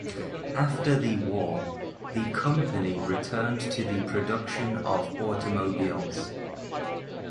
After the war, the company returned to the production of automobiles.